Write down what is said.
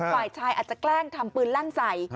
ฝ่ายชายอาจจะแกล้งทำปืนลั่นใส่